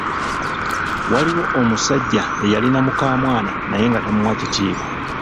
Waaliwo omusajja eyalina mukaamwana naye nga tamuwa kitiibwa.